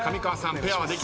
ペアはできない。